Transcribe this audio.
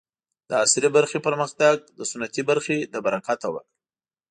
د عصري برخې پرمختګ د سنتي برخې له برکته و.